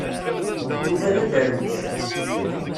Yuba d aderwic.